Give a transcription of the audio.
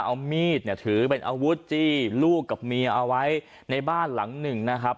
เอามีดเนี่ยถือเป็นอาวุธจี้ลูกกับเมียเอาไว้ในบ้านหลังหนึ่งนะครับ